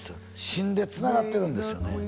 芯でつながってるんですよね